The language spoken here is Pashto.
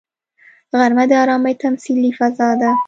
غرمه د ارامي تمثیلي فضا ده